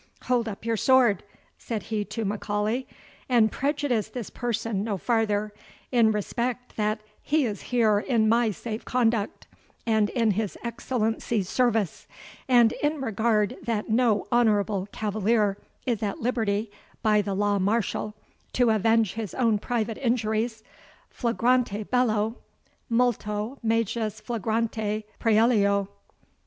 "Hold up your sword," said he to M'Aulay, "and prejudice this person no farther, in respect that he is here in my safeconduct, and in his Excellency's service; and in regard that no honourable cavalier is at liberty, by the law martial, to avenge his own private injuries, FLAGRANTE BELLO, MULTO MAJUS FLAGRANTE PRAELIO."